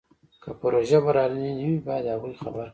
که پروژه بریالۍ نه وي باید هغوی خبر کړي.